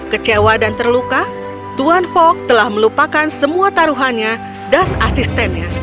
kecewa dan terluka tuan fok telah melupakan semua taruhannya dan asistennya